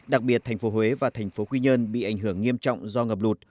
đặc biệt thành phố huế và thành phố quy nhơn bị ảnh hưởng nghiêm trọng do ngập lụt